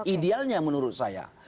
idealnya menurut saya